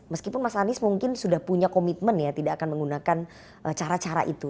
meskipun mas anies mungkin sudah punya komitmen ya tidak akan menggunakan cara cara itu